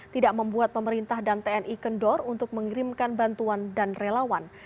tidak membuat pemerintah dan tni kendor untuk mengirimkan bantuan dan relawan